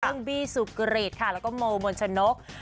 ซึ่งบี้สุกริตค่ะแล้วก็โมมนชนก